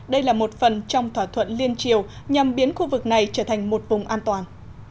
đây là một phần trong thỏa thuận liên triều nhằm biến khu vực này trở thành một vùng an toàn